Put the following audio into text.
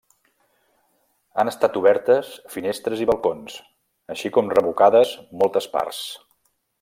Han estat obertes finestres i balcons, així com revocades moltes parts.